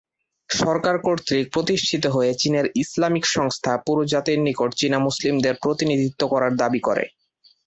সরকার কর্তৃক প্রতিষ্ঠিত হয়ে চীনের ইসলামিক সংস্থা পুরো জাতির নিকট চীনা মুসলিমদের প্রতিনিধিত্ব করার দাবি করে।